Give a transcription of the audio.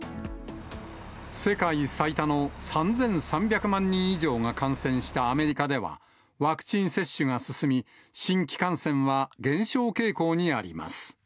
世界最多の３３００万人以上が感染したアメリカでは、ワクチン接種が進み、新規感染は減少傾向にあります。